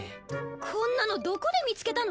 こんなのどこで見つけたの？